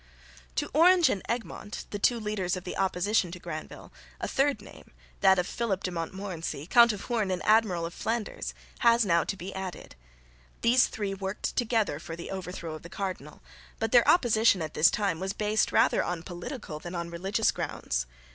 To Orange and Egmont, the two leaders of the opposition to Granvelle, a third name, that of Philip de Montmorency, Count of Hoorn and Admiral of Flanders, has now to be added. These three worked together for the overthrow of the Cardinal, but their opposition at this time was based rather on political than on religious grounds.